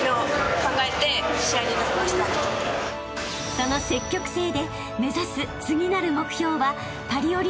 ［その積極性で目指す次なる］